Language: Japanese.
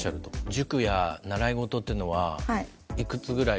塾や習い事というのはいくつぐらい？